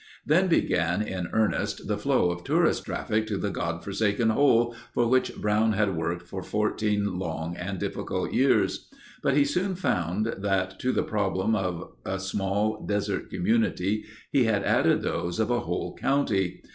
Then began in earnest the flow of tourist traffic to the "God forsaken hole" for which Brown had worked for 14 long and difficult years. But he soon found that to the problems of a small desert community he had added those of a whole county.